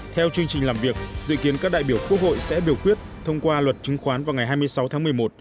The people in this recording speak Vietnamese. theo chương trình làm việc dự kiến các đại biểu quốc hội sẽ biểu quyết thông qua luật chứng khoán vào ngày hai mươi sáu tháng một mươi một